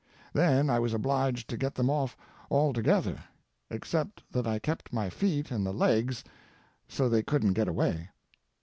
Then I was obliged to get them off altogether, except that I kept my feet in the legs so they couldn't get away.